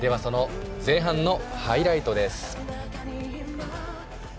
前半のハイライトです。